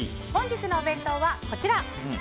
本日のお弁当はこちら。